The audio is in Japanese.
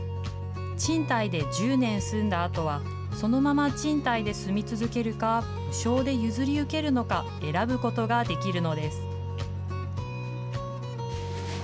賃貸で１０年住んだあとは、そのまま賃貸で住み続けるか、無償で譲り受けるのか、選ぶことができるのです。